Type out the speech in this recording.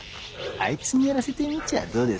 あいつにやらせてみちゃどうです？